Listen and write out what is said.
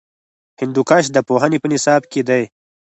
هندوکش د پوهنې په نصاب کې دی.